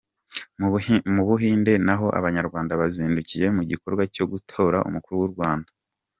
Mu Buhinde naho Abanyarwanda bazindukiye mu gikorwa cyo gutora Umukuru w’ u Rwanda.